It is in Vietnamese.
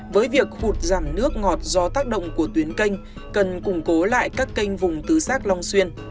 với việc hụt giảm nước ngọt do tác động của tuyến canh cần củng cố lại các kênh vùng tứ xác long xuyên